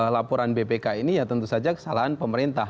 laporan bpk ini ya tentu saja kesalahan pemerintah